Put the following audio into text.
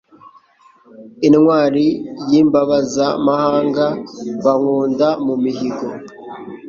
Intwali y'Imbabazamahanga bankunda mu mihigo.